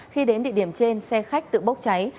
khi đến địa điểm trên xe khách tự bốc cháy